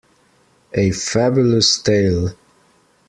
A Fabulous tale.